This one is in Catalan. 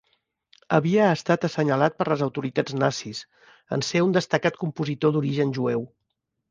Havia estat assenyalat per les autoritats nazis, en ser un destacat compositor d'origen jueu.